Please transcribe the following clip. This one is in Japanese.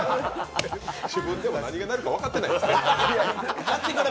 自分でも何が鳴るか分かってない。